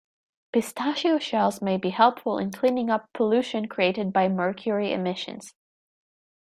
Pistachio shells may be helpful in cleaning up pollution created by mercury emissions.